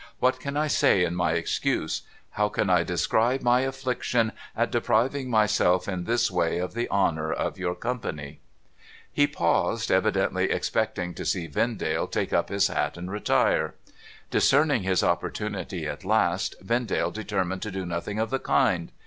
What can I say in my excuse? How can I describe my affliction at depriving myself in this way of the honour of your company ?' He paused, evidently expecting to see Vendale take up his hat and retire. Discerning his opportunity at last, Vendale determined to do nothing of the kind.